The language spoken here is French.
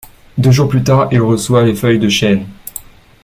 Deux jours plus tard, il reçoit les feuilles de chêne.